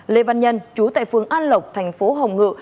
lê văn nhân chú tại phường an lộc thành phố hồng ngự